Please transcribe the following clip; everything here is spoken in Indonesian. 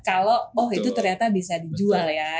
kalau oh itu ternyata bisa dijual ya